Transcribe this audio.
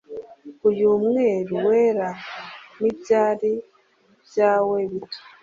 uyu mweru wera ni ibyari byawe bito